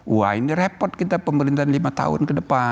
wah ini repot kita pemerintahan lima tahun ke depan